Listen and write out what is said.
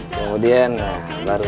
kemudian nah baru